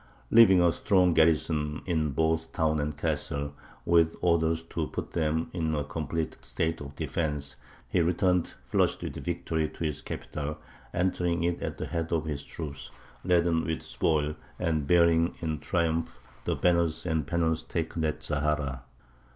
Leaving a strong garrison in both town and castle, with orders to put them in a complete state of defence, he returned flushed with victory to his capital, entering it at the head of his troops, laden with spoil, and bearing in triumph the banners and pennons taken at Zahara.